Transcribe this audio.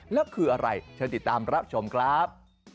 แล้วคืออะไรเชิญติดตามรับชมครับ